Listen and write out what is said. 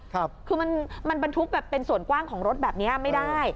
คือมันมันบรรทุกแบบเป็นส่วนกว้างของรถแบบนี้ไม่ได้